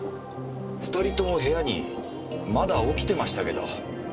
２人とも部屋にまだ起きてましたけど。